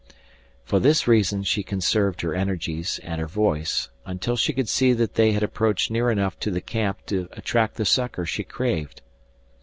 For this reason she conserved her energies and her voice until she could see that they had approached near enough to the camp to attract the succor she craved.